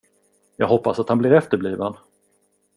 Jag hoppas att han blir efterbliven!